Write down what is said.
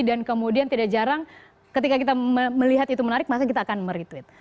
dan kemudian tidak jarang ketika kita melihat itu menarik maka kita akan meretweet